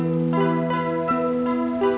umur anak kamu berapa